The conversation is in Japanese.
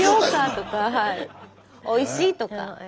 「おいしい」とか。